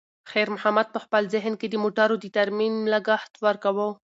خیر محمد په خپل ذهن کې د موټر د ترمیم لګښت ورکاوه.